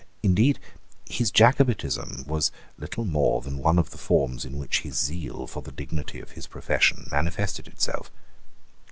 Indeed his Jacobitism was little more than one of the forms in which his zeal for the dignity of his profession manifested itself.